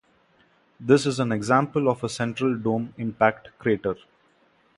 This is an example of a central dome impact crater.